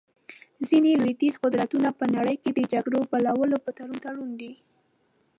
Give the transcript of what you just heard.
ځینې لوېدیځ قدرتونه په نړۍ کې د جګړو بلولو په تور تورن دي.